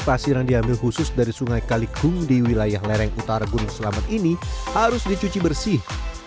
pasir yang diambil khusus dari sungai kalikung di wilayah lereng utara gunung selamet ini harus dicuci bersih